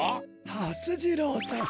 はす次郎さん